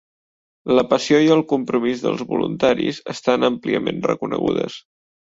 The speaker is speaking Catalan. La passió i el compromís dels voluntaris estan àmpliament reconegudes.